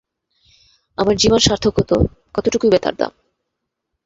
আমার জীবন সার্থক হত, কতটুকুই বা তার দাম।